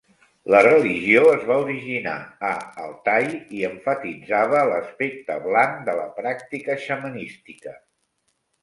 La religió es va originar a Altai i emfatitzava l'aspecte "blanc" de la pràctica xamanística.